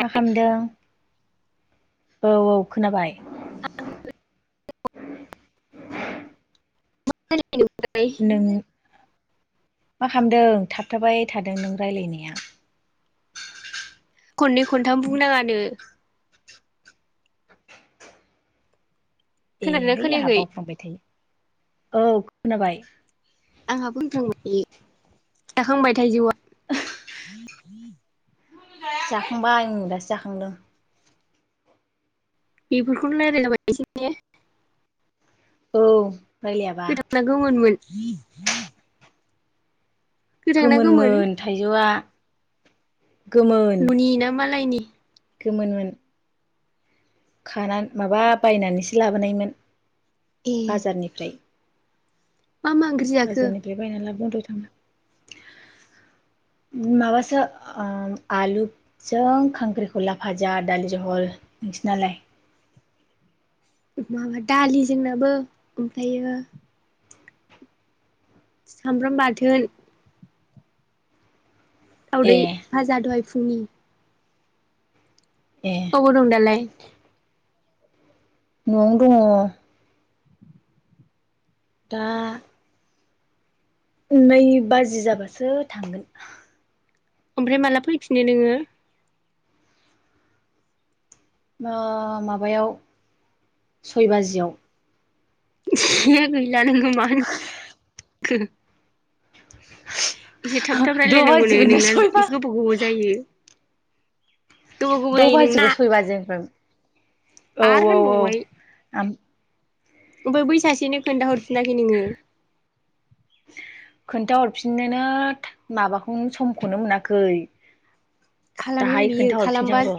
मा खामदों? औ औ खोनाबाय [unintelligible] [inaudible] नों [inaudible] मा खामदों थाबथाबाय थादों नों रायलायनाया खननै खनथाम बुंनाङानो खोनादोंना एहाय आंहा खोनायाखै बावफ्लांबाय थायो औ खोनाबाय आंहा बुंफ्लांबाय जाखांबाय थाइजौआ [inaudible] जाखांबाय ओं दासो जाखांदों बेफोरखौनो रायलायलाबायनोसै ने औ रायलायाबा गोथांना गोमोनमोन [inaudible] गोथां ना गोमोन गोमोनमोन थाइजौआ गोमोन नुनि ना मालायनि [inaudible] गोमोनमोन खाना माबा बायनानैसो लाबोनायमोन ए बाजारनिफ्राय मा मा ओंख्रि जाखो बाजारनिफ्राय बायना लाबोबावदो माबासो ओ आलुजों खांख्रिखला फाजा दालि जहल नोंसिनालाय माबा दालि जोंनाबो ओमफ्रायो सामब्राम बाथोन ए दावदै भाजा दहाय फुंनि ए अबाव दं दालाय न'आवनो दङ दा नै बाजि जाबासो थांगोन ओमफ्राय माला फैफिनो नोङो ओ माबायाव सय बाजियाव ए गैला नोंङो मा होनखो एसे थाब थाब द' रायलायनांगौनो बाजिखौनो नोंना सयबा एसे गोबाव गोबाव जायो गोबाव गोबाव द' जायो नोंना बाजिखौ सय बाजिनिफ्राय आरो औ-औ-औ होनबावबाय आम ओमफ्राय बै सासेनो खोन्थाहरफिनाखै नोङो खोन्थाहरफिननोनो माबाखौनो समखौनो मोनाखै खालामगोन दाहाय बियो खोन्थाहरफिनसै खालामबा आं र'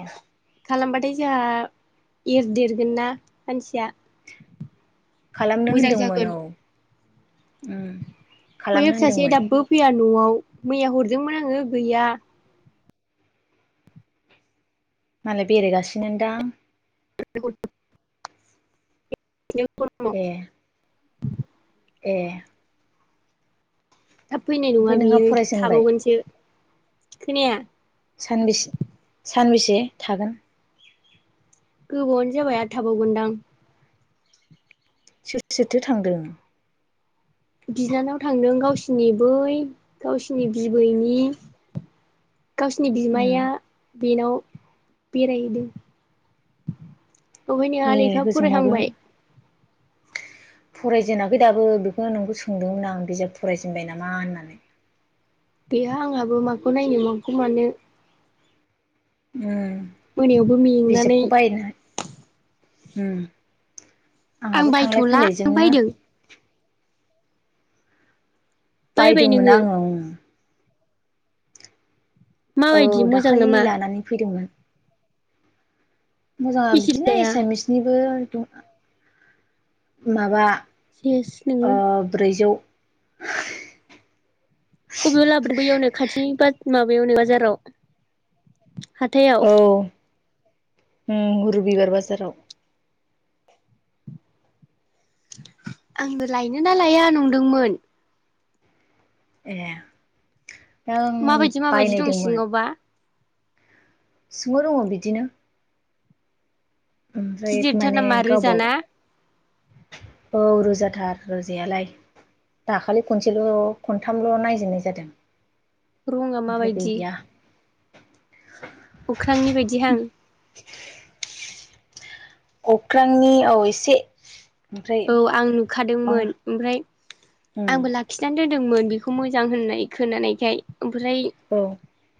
खालामबाथाय जोंहा एरदेरगोन ना मानसिया खालामनो मोजां होनदोंमोन जागोन औ उम बैयो खालामनो फिसासे होन्दोंमोन दाबो फैया न'आव मैया हरदोंमोन आंङो गैया मालाय बेरायगासिनो दां [unintelligible] [unintelligible] [unintelligible] ए [unintelligible] [inaudible] ए थाब फैनाय नंङा ओमफ्राय नोंहा बियो फरायजेनबाय थाबावगोनसो खोनाया सानबेसे सानबेसे थागोन गोबावनो जाबाय आरो थाबावगोनदां सोरथो सोरथो थांदों बिनानाव थांदों गावसिनि बै गावसिनि बिबैनि गावसिनि उम बिमाया बेनाव बेराय हैदो अहाय नोंहा लेखा फरायहांबाय फरायजेनााखै दाबो बेखौनो नोंखौ सोंदोंमोन आं बिजाब फरायजेनबाय नामा होननानै? गैया आंहाबो माखौ नायनो मगौ मानो उम मोनायावबो मेंनानै बिजाबखौ बायनो उम आं आंहाबो थांलाय बायथ'ला नों फैलायजोंनो बायदों बायबाय बायदोंमोन नोङो आंङो औ माबायदि मोजां दाखालि नामा लानानै फैदोंमोन । मोजां बेसे बिदिनो लाया एसामिसनिबो माबा [unintelligible] ओ नोंङो ब्रैजौ [unintelligible] खाथिनि माबायावनो बाजाराव हाथायाव ओम रबिबार बाजाराव आंबो लायनोना लाया नुदोंमोन । ए दा आं माबायदि माबायदि दं सिङांवबा? सिङांव दङो बिदिनो । ओमफ्राय गिदिरथार माने नामा गावबा रोजाना औ रोजाथार रोजायालाय दाखालि खनसेल' खनथामल' नायजेननाय जादों । रुमा माबायदि? [unintelligible] अख्रांनि बायदिहां । [inaudible] अख्रांनि औ एसे । औ आं नुखादोंमोन ओमफ्राय उम आंबो लाखिनानै दोन दोंमोन बेखौ मोजां होननाय खोनानायखाय । ओमफ्राय औ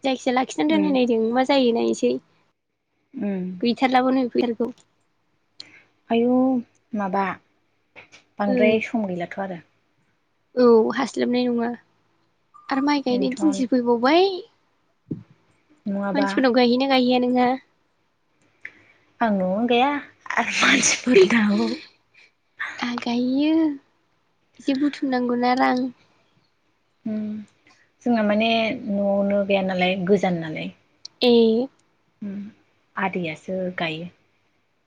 जायखिया लाखिनानै उम दोनायनायदों मा मा जायो नायसै । गैथारलाबो नो । फैयाखै आयौ माबा ओ बांद्राय सम गैलाथ' आरो । औ हास्लाबनाय नङा । आरो माइ गायनाय बेनोथन दिनथि फैबावबाय । नङाबा मानसिफोरनाव गायहैयोना गायहैया नों ना नवावनो गाया आ आहा गायहैयो । इसे बुथुमनांगौना रां । जोंना माने न'आवनो गाया नालाय गोजान नालाय । ए आदैयासो गायो ।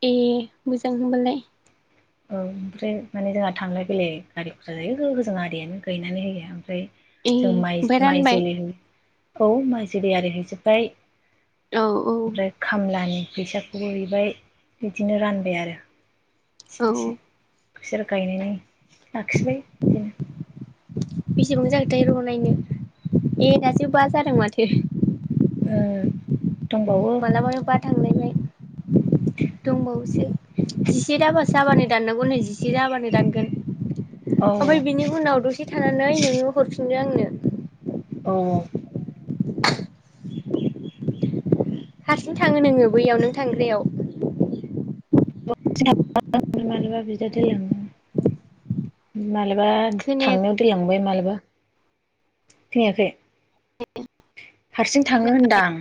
ए मोजां होनबालाय । औ ओमफ्राय माने जोंहा थांलाय फैलाय गारि खरसा जायो होजों आदैयानो गायनानै होयो ओमफ्राय ए जों माइ ओमफाय माइ रानबाय । जोलै औ माइ जोलै आरि हैजोब्बाय औ औ ओमफ्राय खामलानि फैसाखौबो हैबाय बिदिनो रानबाय आरो औ एसे एसे बिसोरो गायनानै लाखिबाय बिदिनो बेसेबां जाखोथाय र' नायनो ए दासो बा जादों माथो उम दंबावो मालाबानो बा थांलायबाय दंबावोसो जिसे दाबा जाबानो दाननांगौ नो जिसे जाबानो दानगोन औ ओमफ्राय बिनि उनाव दसे थानानै नोङो हरफिनगोन औ हारसिं थाङो नोङो बैयाव नों थांग्रायाव [unintelligible] मालाबा बिदा दोनलाङो माला बा खोनाया थांनायाव दोनलांबाय मालाबा खोनायाखै हारसिं थाङो खोनाबा होनदां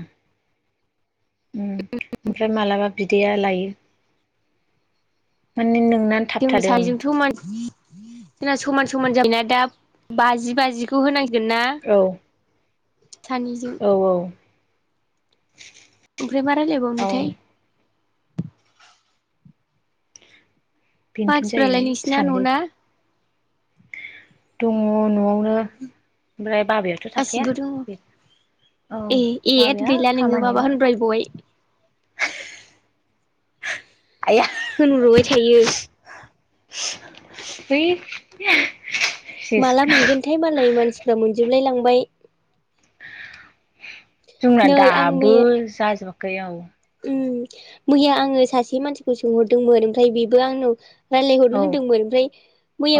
उम ओमफ्राय मालाबा बिदाया लायो। माने नों जोंनि सानैजोंथ' मानसि जोंना समान समान जाबनाया दा बाजि बाजिखौ होनां सिगोनना औ सानैजों औ औ ओमफ्राय मा औ रायलायबावनोथाय बेनोथ'नो मानसिफ्रालाय जाहैबाय नोंसिना सानैल न'ना दङ न'आवनो ओमफ्राय बाबायाथ' थाखाया गासिबो दङ बे औ ए ए बाबाया गैला नोङो माबा होनब्राय बबाय। आया होनहबाय थायो। [unintelligible] माला मोनगोनथाय मालाय मानसिफ्रा मोनजोबलाय लां बाय जोंना नै आं दाबो मैया जाजोब गयाव उम मैया आङो सासे मानसिखौ सोंहरदोंमोन ओमफ्राय बेबो आंनाव रायलायहरनो औ होनदोंमोन ओमफ्राय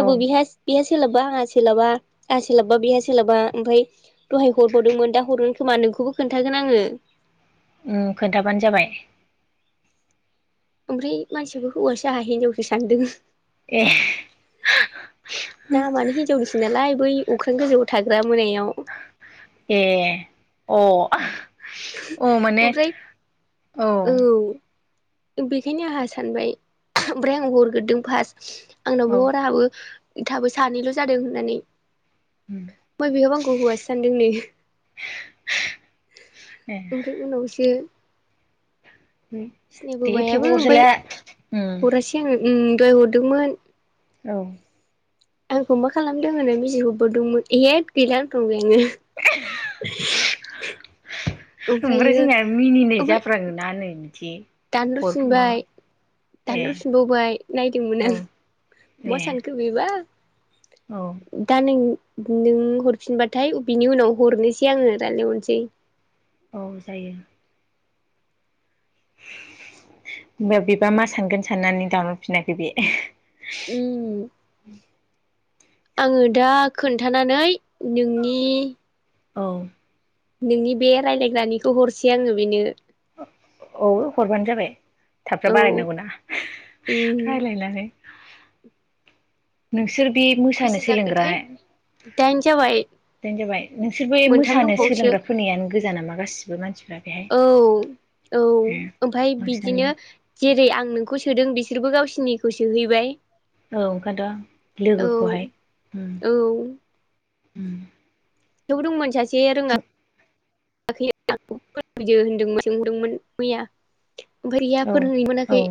औ बिहा बिहा सोलाबा आंहा सोलाबा आ सोलाबा बेहा सोलाबा ओमफ्राय दहाय हरबावदोंमोन दा हर खोमा नोंखौबो खोन्थागोन आङो। उम खोन्थाबानो जाबाय। ओमफ्राय मानसियाबो हौवासो आंहा हिनजावसो सानदों। ए नामानो हिजावनिसै नालाय बै अख्रां गोजौआव थाग्रा मोनायाव ए अ औ माने ओमफ्राय औ बेखायनो आंहा सानबाय ओमफ्राय आं हरग्रोदों फार्स्ट आंनावबो हर उम आंहाबो थाबो सानैल' जादों होननानै बय बेहाबो आंखौ हौवासो सानदों नो ए ओमफ्राय उनाव [inaudible] सिनायाबो दे थेवबो मायाबो ओमफ्राय अरजालिया उम हरासै आं दहाय हरदोंमोन औ आंखौ मा खालामदों होनना [unintelligible] ओमफ्राय ओमफ्रायो जोंनिया मिनिनाय जाफ्राङोना नै बिदि हर माबा दानह'फिनबाय ए दानह'फिनबावबाय नायदोंमोन औ आं ए मा सानखो बेबा औ दा नों नों हरफिनबाथाय बिनि उनाव हरनोसै आङो रायलाय हरसै औ जायो होनबा बेबा मा सानगोन साननानै दानहरफिनाखै बे उम आङो दा खोनथानानै नोंनि औ नोंनि बे रायलायग्रानिखौ हरसै आङो बेनो औ हरबानो जाबाय थाब थाब औ बारायनांगौना उम रायलायनानै नों नोंसोर बे मोसानो बेसे सोलोंग्रा जाखोथाय दाइन जाबाय जाबाय नोंसोर बे मोनथाम मोसानो दंबावोसो सोलोंग्रा फोरनियानो गोजा नामा गासिबो मानसिफ्रा बेहाय औ औ ओमफ्राय बांसिनानो बिदिनो जेरै आं नोंखौ सोदों बिसोरबो गावसिनिखौ सोहैबाय औ ओंखाय थ' औ लोगोखौहाय उम औ द दंमोन सासे जे रोङा जों [unintelligible] होनदोंमोन सोंहरदोंमोन मैया [unintelligible] औ फोरोंनोनो औ मोनाखै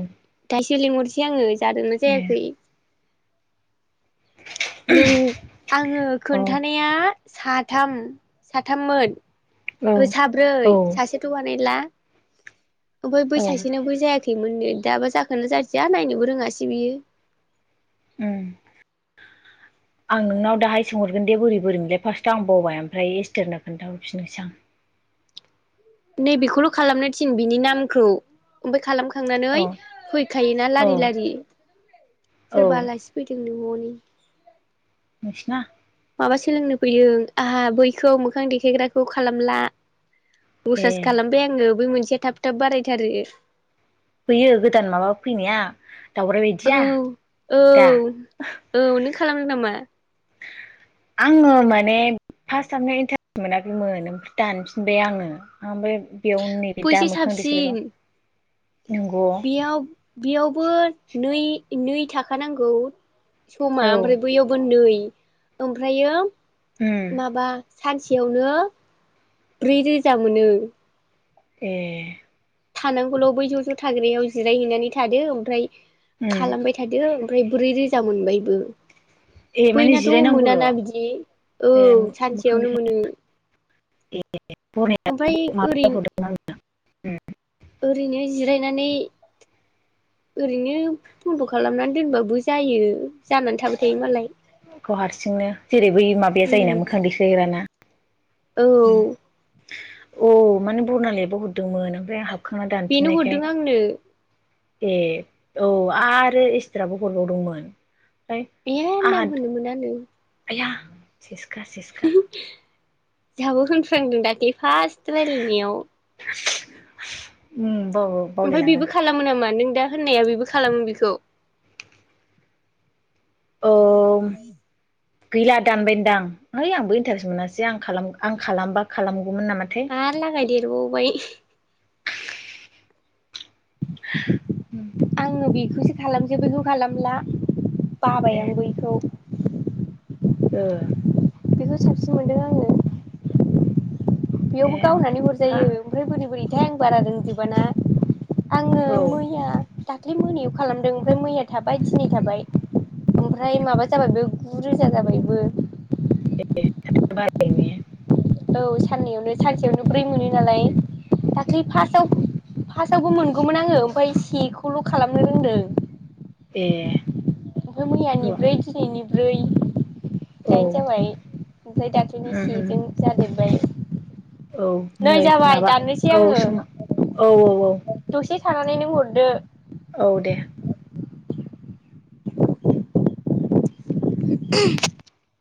[inaudible] आङो जादोंना ए जायाखै नों आङो औ खोनथानाया साथाम साथाममोन औ ओ साब्रै औ सासेथ' [unintelligible] ओमफाय बै औ सासेनाबो जायाखैमोन नो दाबा जाखोनो जादिया नायनोबो रोङासै बियो उम आं नोंनाव दाहाय सोंहरगोन दे बोरै बोरै मोनलाय फार्स्टआव आं बावबाय ओमफ्राय इस्टोरनो खोन्थााहरफिननोसै आं नै बेखौल खालामनो थिन बिनि नामखौ ओमफाय खालाम खांनानै औ फैखायोना औ लारि लारि सोरबा औ आलासि फैदोंनो हनै बै नोंसिना माबा सोलोंनो फैयो आंहा बैखौ मोखां देखायग्राखौ खालामला ए पसास खालामबाय आङो बै मोनसेया थाब थाब बारायथारो बैयो गोदान माबा फैनाया दावराय औ बायदिया औ दा औ नों खालामनो नामा आङो माने फार्स्टावनो इन्टा मोनाखैमोन ओमफ्राय दानफिनबाय आङो ओमफ्राय बेयाव नैबे दा बैसो मोखां देखाग्राव साबसिन बेयाव बेयावबो नै नै थाखा नांगौ समा औ ओमफ्राय बैयावबो नै ओमफ्रायो उम माबा सानसेयावनो ब्रै रोजा मोनो ए थानांगौल' बै ज' ज' थाग्रायाव जिरायहैनानै थादो ओमफ्राय उम खालामबाय थादो ओमफ्राय ब्रै रोजा मोनबायबो ए माने बैनाथ' जिरायनांगौल' मोनाना बिदि औ ए मोखां सानसेयावनो देखाय मोनो ए बरनायाव ओमफाय ओरै माबायाव हरदोंमोन ओरैनो जिरायनानै ओरैनो बन्द' खालामनानै दोनबाबो जायो जानानै थाबाय थायो मालाय। खौ हारसिंनो जेरै बै माबाया उम जायोना मोखां देखायग्राना औ अ माने बरनालेआबो हरदोंमोन ओमफ्राय आं हाब बेनो हरदों आंनो। ए औ आरो इसथ्राबो हरबावदोंमोन। [unintelligible] आंहा नाम होनो मोनानो। आया सेसखा सेसखा। जोहाबो होनफ्लांदों दाख्लि फार्स्ट रायलायनायाव। उम बाव ओमफाय बावलायलाङो बेबो खालामो नामा नों दा होननाया बेबो खालामो बेखौ। [inaudible] औ गैला दानबायदां है आंबो इन्टारेस्ट मोनासै आं खालाम आं खालामबा खालाम आरो लागाय देरबावबाय। आङो बे [unintelligible] खालामसै बैखौ खालामला। बाबाय ए आं बैखौ। ओ बेखौ साबसिन मोनदों आङो। ए बेयावबो गावनानै आमफा हरजायो ओमफ्राय बोरै बोरै आं बारा रोंजोबाना। आङो औ मैया दाख ख्लि मोनायाव खालामदों ओमफाय मैया थाबाय थिनै थाबाय ओमफ्राय माबा जाबायबो गुरोजा जाबायबो। [inaudible] औ साननैयावनो सानसेयावनो ब्रै मोनो नालाय दाख्लै फासाव फासावबो मोनगौमोन आङो ओमफ्राय सेखौल' खालामनो रोंदों। ए ओमफाय मैयानि र' ब्रै दिनैनि ब्रै औ दाइन उम जाबाय ओमफ्राय दाख्लैनि उम सेजों जादेरबाय। औ नै जाबाय माबा दाननोसै औ आङो सङो औ-औ-औ। दसे थानानै नों हरदो । औ दे [inaudible]